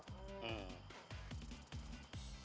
อืม